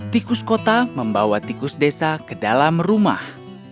tikus kota membawa tikus desa ke dalam rumah